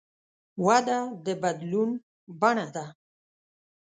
وده د بدلون بڼه ده.